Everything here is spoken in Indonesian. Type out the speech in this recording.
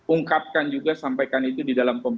ungkapkan juga sampaikan itu di dalam